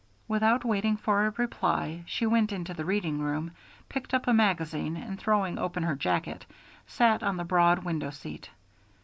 Without waiting for a reply, she went into the reading room, picked up a magazine, and, throwing open her jacket, sat on the broad window seat.